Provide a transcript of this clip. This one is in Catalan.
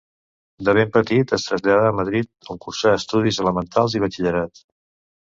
De ben petit es traslladà a Madrid on cursà estudis elementals i batxillerat.